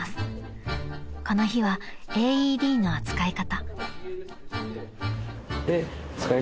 ［この日はＡＥＤの扱い方］